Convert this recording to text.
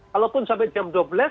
kalaupun sampai jam dua belas